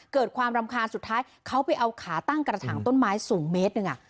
เกิดความรำคาญสุดท้ายเขาไปเอาขาตั้งกระถางต้นไม้สูงเมตรหนึ่ง